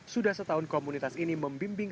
sudah setahun komunitas ini membimbing